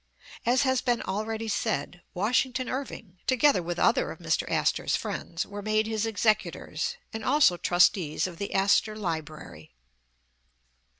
As has been alreadv said, Washington Irving, together with other of Mr. Astor 's friends, were made his executors, and also trustees of the Astor Library.